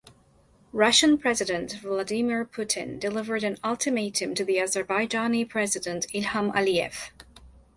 Russian president Vladimir Putin delivered an ultimatum to the Azerbaijani president Ilham Aliyev.